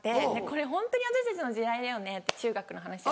これホントに私たちの時代だよねって中学の話をしてた。